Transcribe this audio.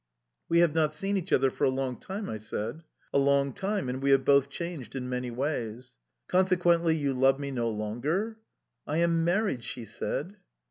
"We have not seen each other for a long time," I said. "A long time, and we have both changed in many ways." "Consequently you love me no longer?"... "I am married!"... she said.